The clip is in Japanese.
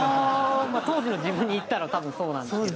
当時の自分に言ったら多分そうなんですけど。